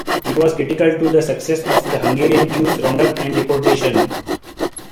It was critical to the success of the Hungarian Jews roundup and deportion.